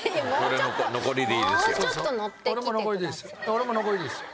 俺も残りでいいです